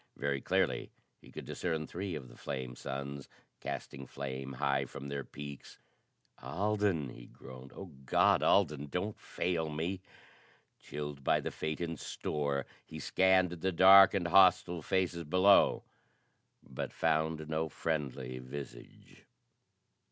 Very clearly he could discern three of the flame suns, casting flame high from their peaks. "Alden!" he groaned. "Oh God, Alden, don't fail me!" Chilled by the fate in store, he scanned the dark and hostile faces below, but found no friendly visage.